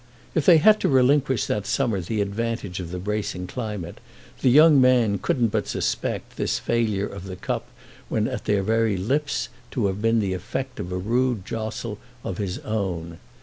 If they had to relinquish that summer the advantage of the bracing climate the young man couldn't but suspect this failure of the cup when at their very lips to have been the effect of a rude jostle of his own.